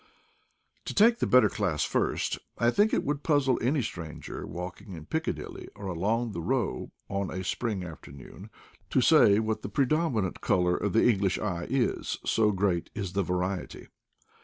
To take the better class first. I think it would puzzle any stranger, walking in Piccadilly or along the Row on a spring afternoon, to say what the predominant color of the English eye is, so great is the variety.